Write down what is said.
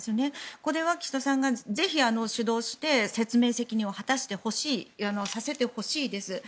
これは岸田さんがぜひ主導して説明責任を果たさせてほしいです。